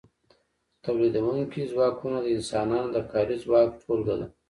تولیدونکي ځواکونه د انسانانو د کاري ځواک ټولګه ده.